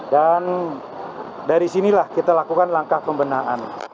dan dari sinilah kita lakukan langkah pembinaan